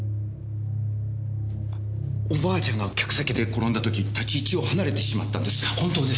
おばあちゃんが客席で転んだ時立ち位置を離れてしまったんです。